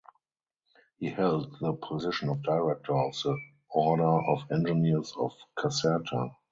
He held the position of director of the Order of engineers of Caserta.